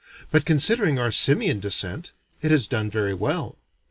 But considering our simian descent, it has done very well.